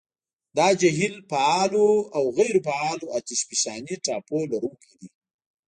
دا جهیل فعالو او غیرو فعالو اتشفشاني ټاپو لرونکي دي.